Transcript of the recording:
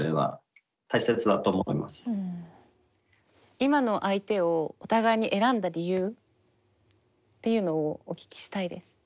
今の相手をお互いに選んだ理由っていうのをお聞きしたいです。